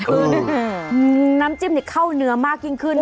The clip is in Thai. คือน้ำจิ้มนี่เข้าเนื้อมากยิ่งขึ้น